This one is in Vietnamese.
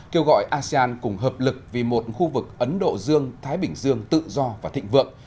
kêu gọi asean cùng hợp lực vì một khu vực ấn độ dương thái bình dương tự do và thịnh vượng